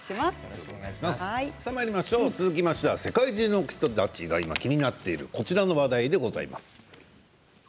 続きましては世界中の人たちが気になっているこちらの話題です。